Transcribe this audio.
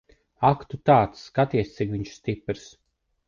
Ak tu tāds. Skaties, cik viņš stiprs.